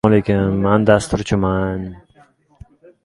Ayni damda jamoani Mirjalol Qosimov boshqarmoqda.